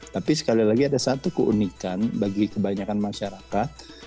tapi sekali lagi ada satu keunikan bagi kebanyakan masyarakat